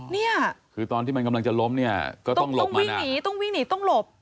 เนี่ยคือตอนที่มันกำลังจะล้มเนี่ยก็ต้องหลบหนีวิ่งหนีต้องวิ่งหนีต้องหลบ